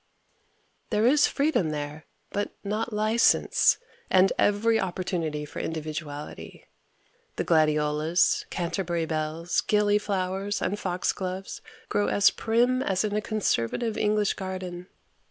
There is freedom there, but not license, and every opportunity for individuality. The gladiolas, canterbury bells, gillie flowers and fox gloves grow as prim as in a conservative English garden.